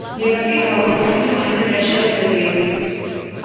They dug it out, hoping to find a treasure in the grave.